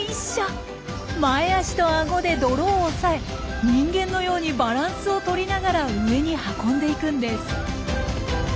前足とアゴで泥を押さえ人間のようにバランスを取りながら上に運んでいくんです。